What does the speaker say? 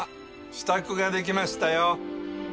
支度ができましたよ！